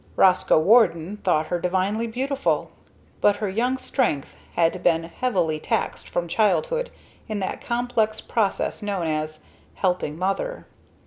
Roscoe Warden thought her divinely beautiful. But her young strength had been heavily taxed from childhood in that complex process known as "helping mother."